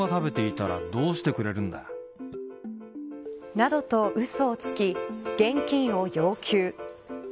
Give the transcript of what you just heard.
などと、うそをつき現金を要求。